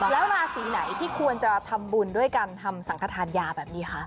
แล้วราศีไหนที่ควรจะทำบุญด้วยการทำสังขทานยาแบบนี้คะ